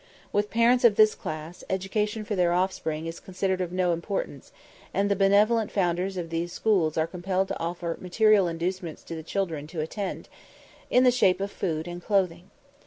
With parents of this class, education for their offspring is considered of no importance, and the benevolent founders of these schools are compelled to offer material inducements to the children to attend, in the shape of food and clothing.